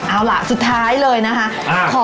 เอาล่ะสุดท้ายเลยนะคะ